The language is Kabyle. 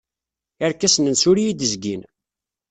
Irkasen-nnes ur iyi-d-zgin.